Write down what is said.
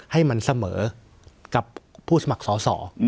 ให้มันเสมอกับผู้สมัครสอสอ